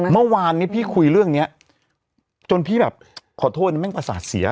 เมื่อวานนี้พี่คุยเรื่องนี้จนพี่แบบขอโทษแม่งประสาทเสีย